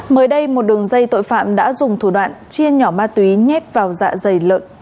mới đây một đường dây tội phạm đã dùng thủ đoạn chia nhỏ ma túy nhét vào dạ dày lợn